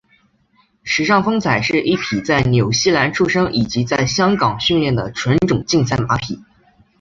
时尚风采是一匹在纽西兰出生以及在香港训练的纯种竞赛马匹。